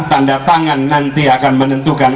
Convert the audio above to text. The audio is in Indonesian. tanda tangan nanti akan menentukan